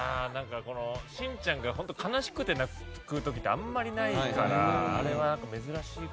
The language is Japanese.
しんちゃんが悲しくて泣く時ってあんまりないからあれは珍しい。